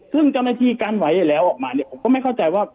ซึ่งกรรมนาธิกันไว้แล้วออกมาเนี้ยผมก็ไม่เข้าใจว่า